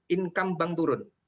income bank turun